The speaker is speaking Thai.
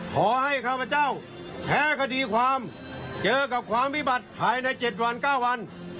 ขอให้ข้าพเจ้าแท้คดีความเจอกับความวิบัติภายในเจ็ดวันเก้าวัน